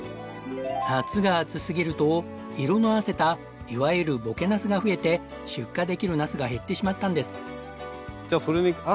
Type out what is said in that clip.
夏が暑すぎると色のあせたいわゆるボケナスが増えて出荷できるナスが減ってしまったんです。